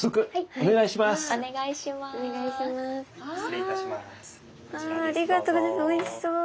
おいしそう！